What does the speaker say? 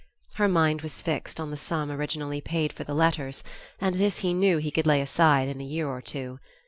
Her mind was fixed on the sum originally paid for the letters, and this he knew he could lay aside in a year or two.